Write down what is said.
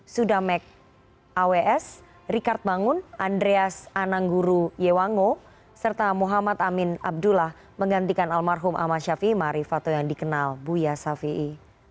sudamek aws rikard bangun andreas anangguru yewangu serta muhammad amin abdullah menggantikan almarhum ahmad syafi'i marifato yang dikenal buya syafi'i